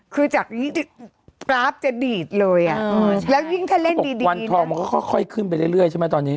คือจากกราฟจะดีดเลยอ่ะแล้วยิ่งถ้าเล่น๖วันทองมันก็ค่อยขึ้นไปเรื่อยใช่ไหมตอนนี้